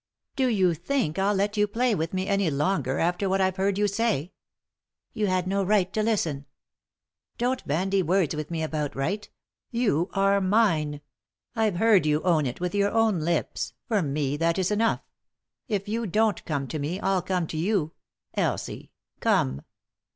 "Do you think I'll let you play with me any longer, after what I have heard you say ?"" You had no right to listen." "Don't bandy words with me about right — or wrong! You are mine ; I've heard you own it with your own lips — for me that is enough. If yon don't come to me, I'll come to you — Elsie— come."